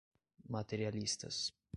materialistas